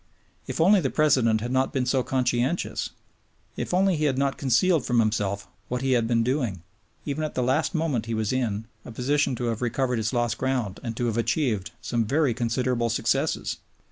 If only the President had not been so conscientious, if only he had not concealed from himself what he had been doing, even at the last moment he was in, a position to have recovered lost ground and to have achieved some very considerable successes.